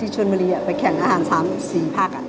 ที่ชวนบรีไปแข่งอาหารสามสี่ภาค